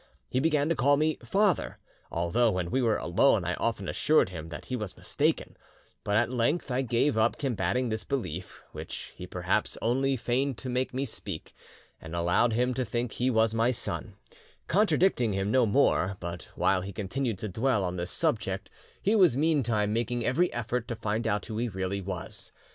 He began to call me 'father,' although when we were alone I often assured him that he was mistaken; but at length I gave up combating this belief, which he perhaps only feigned to make me speak, and allowed him to think he was my son, contradicting him no more; but while he continued to dwell on this subject he was meantime making every effort to find out who he really was.